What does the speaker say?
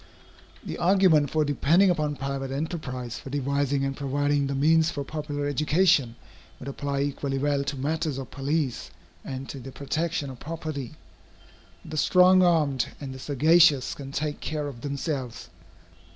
The argument for depending upon private enterprise for devising and providing the means for popular education, would apply equally well to matters of police, and to the protection of property. The strong armed and the sagacious can take care of themselves.